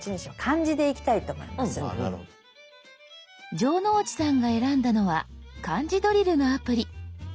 城之内さんが選んだのは漢字ドリルのアプリ。